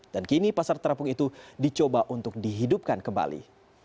dan kini pasar terapung itu dicoba untuk dihidupkan kembali